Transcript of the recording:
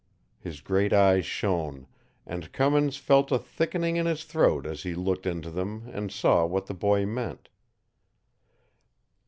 His great eyes shone, and Cummins felt a thickening in his throat as he looked into them and saw what the boy meant.